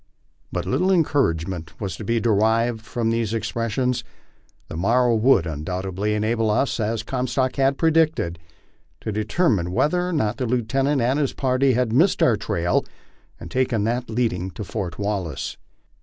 But little encouragement was to be derived from these expressions. The morrow would undoubtedly enable us, as Comstock had predicted, to determine MY LIFE ON THE PLAINS. 75 whether or not the lieutenant and his party had missed our trail and taken that leading to Fort Wallace.